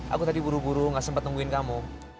aku tadi buru buru gak sempat nungguin kamu